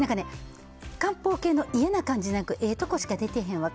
漢方系の嫌な感じじゃなくええとこしか出てへんわ。